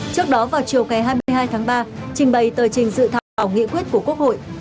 trước đó vào chiều ngày hai mươi hai tháng ba trình bày tờ trình dự thảo nghị quyết của quốc hội